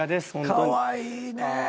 かわいいねぇ。